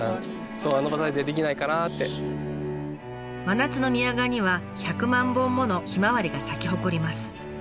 真夏の宮川には１００万本ものひまわりが咲き誇ります。